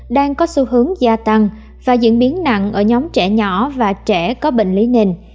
đang có xu hướng gia tăng và diễn biến nặng ở nhóm trẻ nhỏ và trẻ có bệnh lý nền